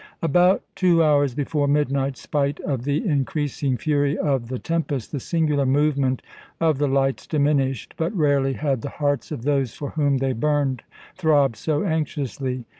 About two hours before midnight, spite of the increasing fury of the tempest, the singular movement of the lights diminished, but rarely had the hearts of those for whom they burned throbbed so anxiously.